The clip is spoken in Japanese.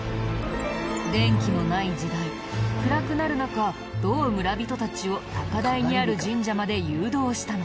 電気のない時代暗くなる中どう村人たちを高台にある神社まで誘導したのか？